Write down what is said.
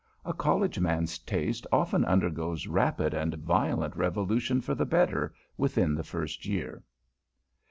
A College man's taste often undergoes rapid and violent revolution for the better, within the first year.